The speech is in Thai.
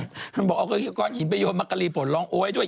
มันบอกเอากล้างหินไปโยงมคลารีโผลล้องโ๋งด้วย